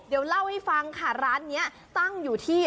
เดี๋ยวเล่าให้ฟังค่ะร้านนี้ตั้งอยู่ที่